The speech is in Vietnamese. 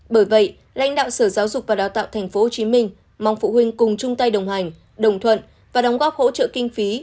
bởi vậy lãnh đạo sở giáo dục và đào tạo tp hcm mong phụ huynh cùng chung tay đồng hành đồng thuận và đóng góp hỗ trợ kinh phí